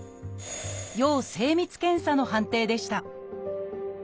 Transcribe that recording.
「要精密検査」の判定でした